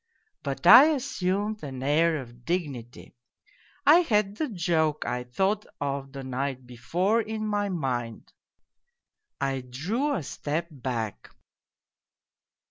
But I assumed an air of dignity. I had the joke I thought of the night before in my mind. I drew a step back.